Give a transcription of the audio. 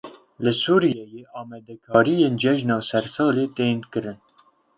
Li Sûriyeyê amadekariyên cejna sersalê tên kirin.